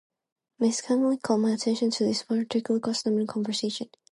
Miss Kingsley called my attention to this particular custom in conversation.